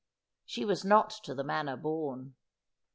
She was not to the manner born.